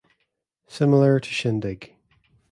Similar to Shindig!